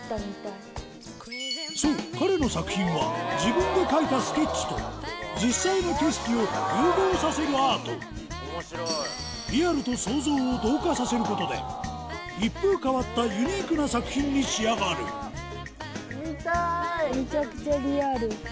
そう彼の作品は自分で描いたスケッチと実際の景色を融合させるアートリアルと想像を同化させることで一風変わったユニークな作品に仕上がるめちゃくちゃリアル。